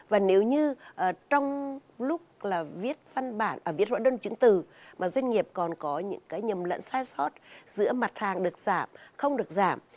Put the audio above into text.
và nếu như trong lúc viết đơn chứng từ doanh nghiệp còn có những nhầm lẫn sai sót giữa mặt hàng được giảm không được giảm